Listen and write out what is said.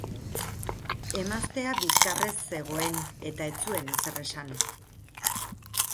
Emaztea bizkarrez zegoen eta ez zuen ezer esan.